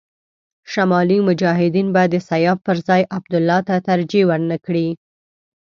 شمالي مجاهدین به د سیاف پر ځای عبدالله ته ترجېح ور نه کړي.